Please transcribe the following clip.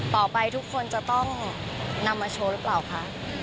ต่อไปทุกคนจะต้องนำมาโชว์หรือเปล่าคะ